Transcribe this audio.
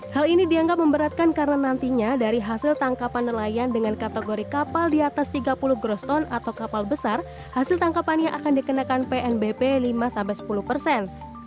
hal ini dianggap memberatkan karena nantinya dari hasil tangkapan nelayan dengan kategori kapal di atas tiga puluh groston atau kapal besar hasil tangkapan yang akan dikenakan pnbp lima sampai sepuluh persen